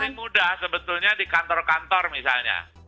paling mudah sebetulnya di kantor kantor misalnya